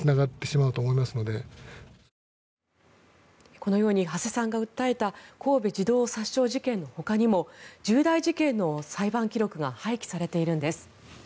このように土師さんが訴えた神戸児童殺傷事件のほかにも重大事件の裁判記録が廃棄されているんです。